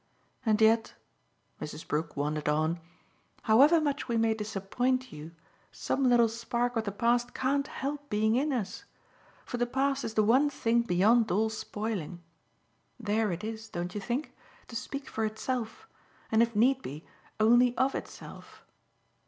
And yet," Mrs. Brook wandered on, "however much we may disappoint you some little spark of the past can't help being in us for the past is the one thing beyond all spoiling: there it is, don't you think? to speak for itself and, if need be, only OF itself."